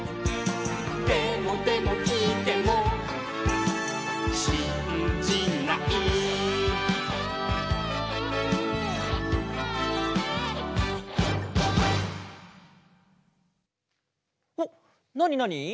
「でもでもきいてもしんじない」おっなになに？